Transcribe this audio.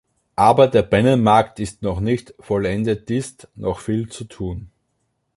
Aber der Binnenmarkt ist noch nicht vollendetist noch viel zu tun.